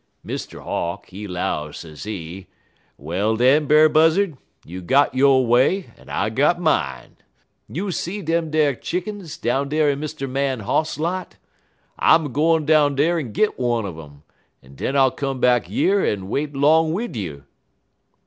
"Mr. Hawk, he 'low, sezee, 'Well, den, Brer Buzzard, you got yo' way en I got mine. You see dem ar chick'ns, down dar in Mr. Man hoss lot? I'm a gwine down dar en git one un um, en den I'll come back yer en wait 'long wid you.'